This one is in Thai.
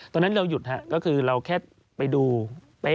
ตอนนั้นเราหยุดครับก็คือเราแค่ไปดู